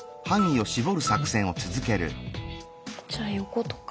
じゃあ横とか？